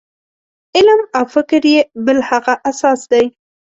علم او فکر یې بل هغه اساس دی.